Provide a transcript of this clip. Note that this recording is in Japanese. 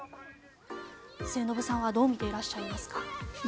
末延さんはどう見ていらっしゃいますか？